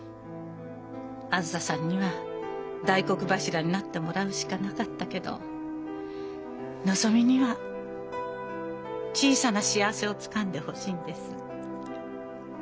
あづささんには大黒柱になってもらうしかなかったけどのぞみには小さな幸せをつかんでほしいんです。